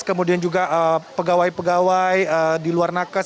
kemudian juga pegawai pegawai di luar nakes